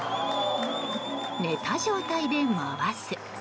寝た状態で回す。